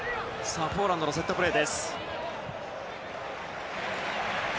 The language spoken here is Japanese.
ポーランドのセットプレー。